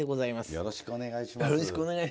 よろしくお願いします。